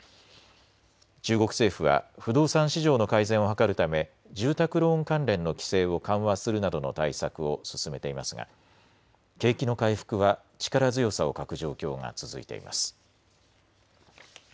中国政府は不動産市場の改善を図るため、住宅ローン関連の規制を緩和するなどの対策を進めていますが景気の回復は力強さを欠く状況が続いています。